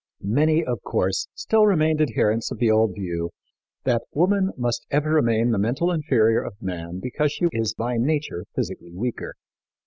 Many, of course, still remained adherents of the old view that woman must ever remain the mental inferior of man because she is by nature physically weaker.